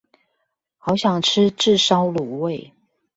好想吃炙燒滷味